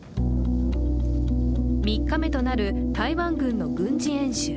３日目となる台湾軍の軍事演習。